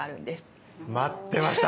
待ってました！